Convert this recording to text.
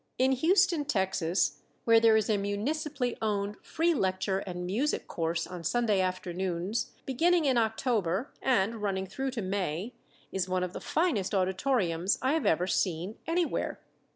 In Houston, Texas, where there is a municipally owned free lecture and music course on Sunday afternoons, beginning in October and running through to May, is one of the finest auditoriums I have ever seen anywhere.